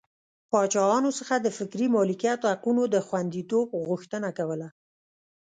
پاچاهانو څخه د فکري مالکیت حقونو د خوندیتوب غوښتنه کوله.